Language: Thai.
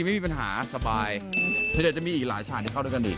มีรับซีนด้วยนะ